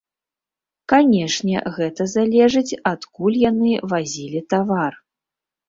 Канечне, гэта залежыць, адкуль яны вазілі тавар.